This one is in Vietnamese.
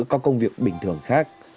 có công việc bình thường khác